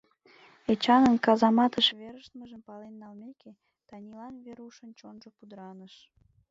Эчанын казаматыш верештмыжым пален налмеке, Танилан Верушын чонжо пудыраныш.